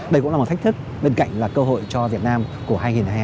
đây cũng là một thách thức bên cạnh là cơ hội cho việt nam của hai nghìn hai mươi hai